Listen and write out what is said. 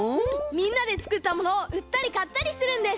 みんなでつくったものをうったりかったりするんです。